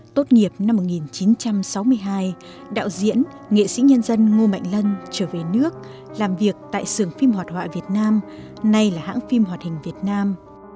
tốt nghiệp năm một nghìn chín trăm sáu mươi hai đạo diễn nghệ sĩ nhân dân ngu mạnh lân trở về nước làm việc tại sường phim họt họa việt nam nay là hãng phim họt hình việt nam